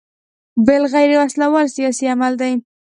بل غیر وسله وال سیاسي عمل دی.